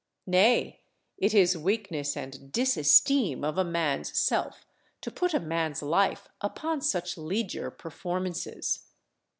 Nay, it is weakness and disesteem of a man's self to put a man's life upon such liedger performances.